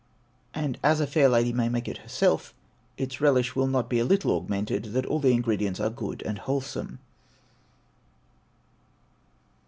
and as a fair lady may make it herself, its relish will be not a little augmented, that all the ingredients are good and wholesome.